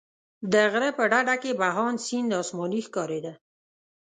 د غره په ډډه کې بهاند سیند اسماني ښکارېده.